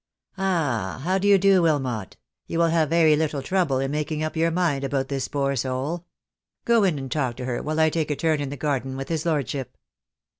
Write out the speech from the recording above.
"Ah, how do you do, Wilmot? You will have very little trouble in making up your mind about this poor soul. Go in and talk to her while I take a turn in the garden with his Lordship."